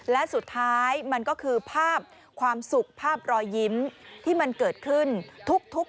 และสุดท้ายมันก็คือภาพความสุขภาพรอยยิ้มที่มันเกิดขึ้นทุก